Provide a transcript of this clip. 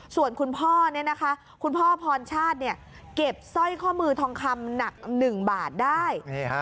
ส่วนคุณพ่อคุณพ่อพรชาติเก็บสร้อยข้อมือทองคำหนัก๑บาทได้